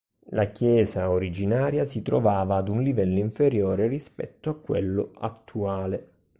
La chiesa originaria si trovava ad un livello inferiore rispetto a quello attuale.